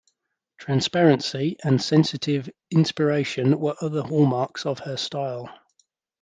Transparency and sensitive inspiration were other hallmarks of her style.